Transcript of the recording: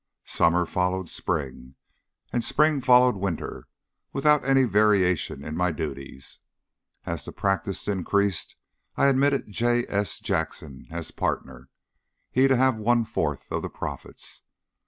Summer followed spring, and spring followed winter, without any variation in my duties. As the practice increased I admitted J. S. Jackson as partner, he to have one fourth of the profits.